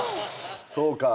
そうか。